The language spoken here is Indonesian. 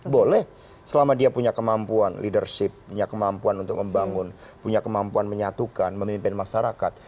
boleh selama dia punya kemampuan leadership punya kemampuan untuk membangun punya kemampuan menyatukan memimpin masyarakat